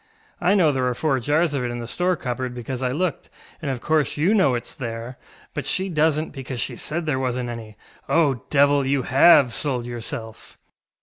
I know there are four jars of it in the store cupboard, because I looked, and of course you know itŌĆÖs there, but she doesnŌĆÖt, because she said there wasnŌĆÖt any. Oh, Devil, you have sold yourself!